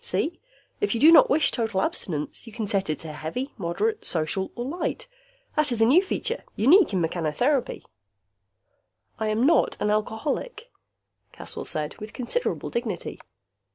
See? If you do not wish total abstinence, you can set it to heavy, moderate, social or light. That is a new feature, unique in mechanotherapy." "I am not an alcoholic," Caswell said, with considerable dignity.